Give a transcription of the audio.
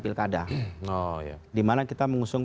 pilkada dimana kita mengusung